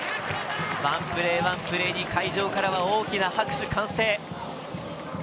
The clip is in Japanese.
ワンプレー、ワンプレーに会場からは大きな拍手、歓声。